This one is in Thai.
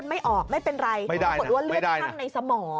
ไม่เป็นไรต้องเรียนว่าเลือดห้างในสมอง